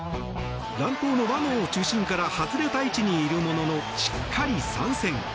乱闘の輪の中心から外れた位置にいるもののしっかり参戦。